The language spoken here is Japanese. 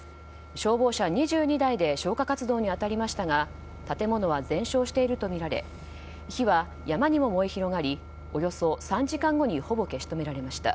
消防車２２台で消火活動に当たりましたが建物は全焼しているとみられ火は山にも燃え広がりおよそ３時間後にほぼ消し止められました。